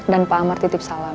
dan pak amar titip salam